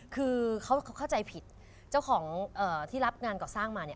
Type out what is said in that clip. คือเขาเข้าใจผิดเจ้าของที่รับงานก่อสร้างมาเนี่ย